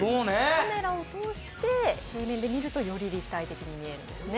カメラを通して平面で見ると、より立体的に見えるんですね。